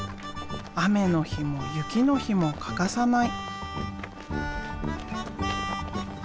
雨の日も雪の日も欠かさない。